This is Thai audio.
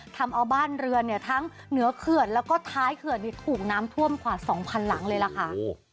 ทำเอาบ้านเรือนเนี่ยทั้งเหนือเขื่อนแล้วก็ท้ายเขื่อนถูกน้ำท่วมกว่า๒๐๐หลังเลยล่ะค่ะ